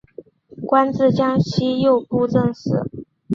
官至江西右布政使。